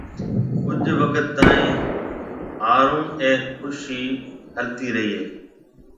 ڪجه وقت تائين هارون اَي خُوشِي هلتِي رهيَ هيَ۔